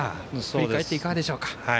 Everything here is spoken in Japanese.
振り返っていかがでしょうか？